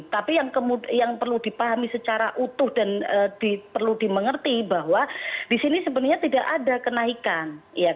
tapi yang perlu dipahami secara utuh dan perlu dimengerti bahwa di sini sebenarnya tidak ada kenaikan